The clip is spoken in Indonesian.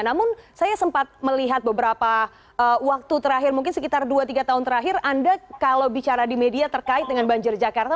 namun saya sempat melihat beberapa waktu terakhir mungkin sekitar dua tiga tahun terakhir anda kalau bicara di media terkait dengan banjir jakarta